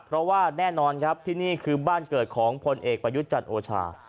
เพราะว่าแน่นอนครับที่นี่คือบ้านเกิดของพลเอกประยุทธ์จันทร์โอชา